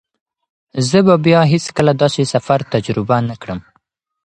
زه به بیا هیڅکله داسې سفر تجربه نه کړم.